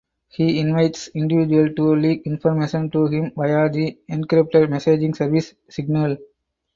He invites individuals to leak information to him via the encrypted messaging service Signal.